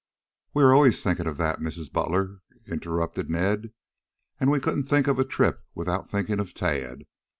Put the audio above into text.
"We're always thinking of that, Mrs. Butler," interrupted Ned. "And we couldn't think of a trip without thinking of Tad.